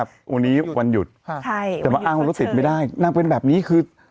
วันนี้วันหยุดจะมาอ้างว่ารถติดไม่ได้นางเป็นแบบนี้คือ